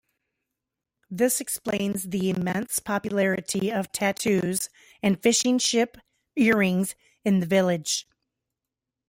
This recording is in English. This explains the immense popularity of tattoos and fishing ship earrings in the village.